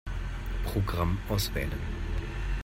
Programm auswählen.